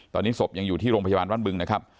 ตอนนี้ศพยังอยู่ที่โรงพยาบาลบ้านบึงนะครับ